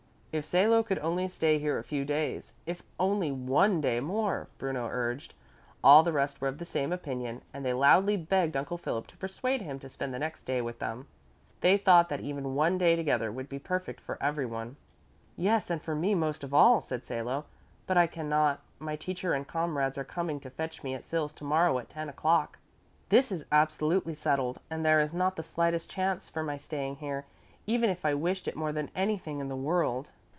"If Salo could only stay here a few days, if only one day more," Bruno urged. All the rest were of the same opinion and they loudly begged Uncle Philip to persuade him to spend the next day with them. They thought that even one day together would be perfect for everyone. "Yes, and for me most of all," said Salo, "but I cannot. My teacher and comrades are coming to fetch me at Sils to morrow at ten o'clock. This is absolutely settled and there is not the slightest chance for my staying here, even if I wished it more than anything in the world."